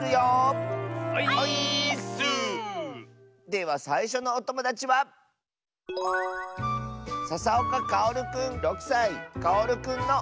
ではさいしょのおともだちはかおるくんの。